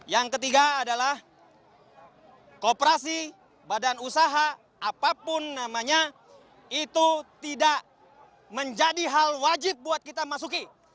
yang ketiga adalah kooperasi badan usaha apapun namanya itu tidak menjadi hal wajib buat kita masuki